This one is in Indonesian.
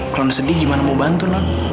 kalau dia sedih gimana mau bantu noon